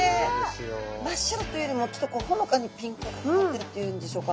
真っ白というよりもちょっとこうほのかにピンクがかってるっていうんでしょうか。